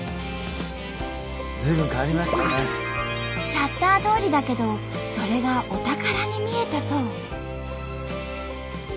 シャッター通りだけどそれがお宝に見えたそう。